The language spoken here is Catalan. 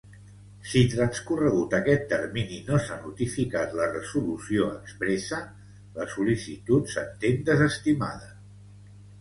Si transcorregut aquest termini no s'ha notificat la resolució expressa, la sol·licitud s'entén desestimada.